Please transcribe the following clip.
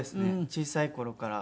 小さい頃から。